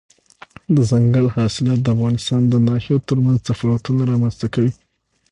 دځنګل حاصلات د افغانستان د ناحیو ترمنځ تفاوتونه رامنځ ته کوي.